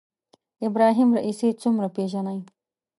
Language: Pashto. ابراهیم رئیسي څومره پېژنئ